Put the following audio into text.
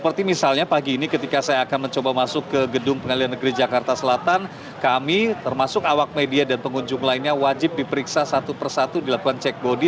seperti misalnya pagi ini ketika saya akan mencoba masuk ke gedung pengadilan negeri jakarta selatan kami termasuk awak media dan pengunjung lainnya wajib diperiksa satu persatu dilakukan cek bodi